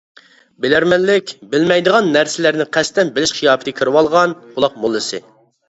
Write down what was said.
بىلەرمەنلىك-بىلمەيدىغان نەرسىلەرنى قەستەن بىلىش قىياپىتىگە كېرىۋالغان قۇلاق موللىسى.